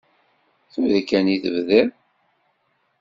Tura kan i tebdiḍ.